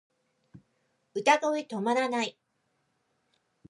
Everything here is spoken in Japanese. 歌声止まらない